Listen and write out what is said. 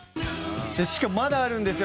しかもまだあるんですよ